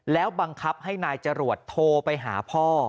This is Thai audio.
แล้วบังคับให้นายจรวดโทรไปหาพ่อ